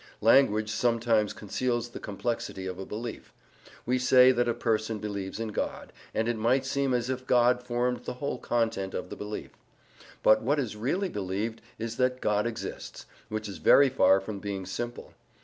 Language sometimes conceals the complexity of a belief. We say that a person believes in God, and it might seem as if God formed the whole content of the belief. But what is really believed is that God exists, which is very far from being simple.